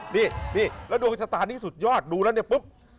นี่แล้วดวงชะตานี้สุดยอดดูแล้วเนี่ยปุ๊บ